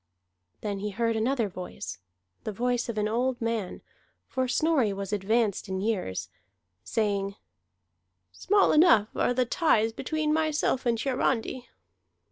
Then he heard another voice, the voice of an old man for Snorri was advanced in years saying: "Small enough are the ties between myself and Hiarandi."